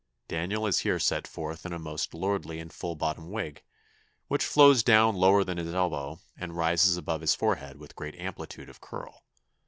Daniel is here set forth in a most lordly and full bottomed wig, which flows down lower than his elbow, and rises above his forehead with great amplitude of curl.